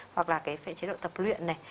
hoặc là cái chế độ tập luyện này